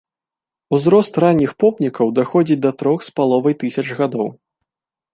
Узрост ранніх помнікаў даходзіць да трох с паловай тысяч гадоў.